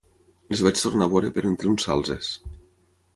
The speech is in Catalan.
Les vaig tornar a veure per entre uns salzes